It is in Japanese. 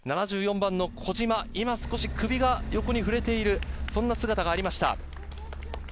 ７４番の小島、今、少し首が横に振れている、そんな姿がありました。